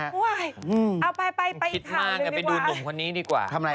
เอาไปอีกฐานไปดีกว่าทำอะไรฮะคิดมากจะไปดูผมคนนี้ดีกว่า